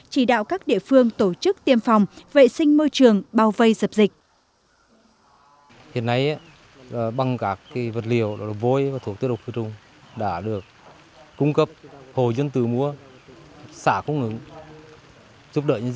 chỉ đạo các địa phương tổ chức tiêm phòng vệ sinh môi trường bao vây dập dịch